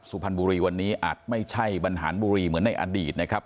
สุพรรณบุรีวันนี้อาจไม่ใช่บรรหารบุรีเหมือนในอดีตนะครับ